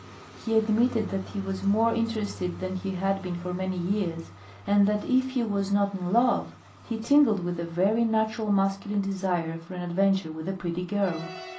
He admitted that he was more interested than he had been for many years, and that if he was not in love, he tingled with a very natural masculine desire for an adventure with a pretty girl.